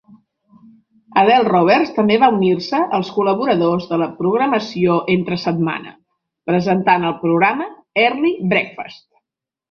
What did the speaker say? Adele Roberts també va unir-se als col·laboradors de la programació entre setmana, presentant el programa Early Breakfast.